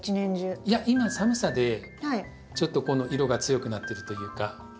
いや今寒さでちょっとこの色が強くなってるというか。